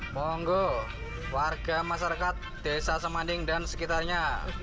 monggo warga masyarakat desa semanding dan sekitarnya